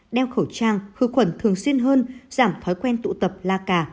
đeo khẩu trang khử khuẩn thường xuyên hơn giảm thói quen tụ tập la cà